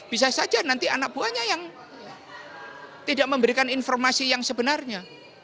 bisa saja nanti anak buahnya yang tidak memberikan informasi yang sebenarnya